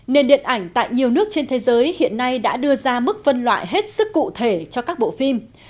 nền điện ảnh tại nhiều nước trên thế giới hiện nay đã đưa ra mức phân loại hết sức cụ thể cho các bộ phim